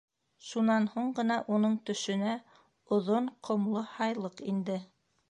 Шунан һуң ғына уның төшөнә оҙон, ҡомло һайлыҡ инде.